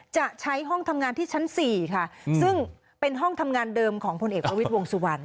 จะใช้ห้องทำงานที่ชั้น๔ค่ะซึ่งเป็นห้องทำงานเดิมของพลเอกประวิทย์วงสุวรรณ